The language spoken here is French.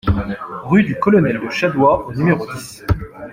Rue du Colonel de Chadois au numéro dix